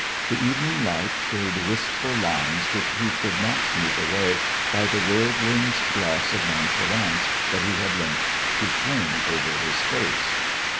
The evening light showed wistful lines which he could not smooth away by the worldling's gloss of nonchalance that he had learnt to fling over his face.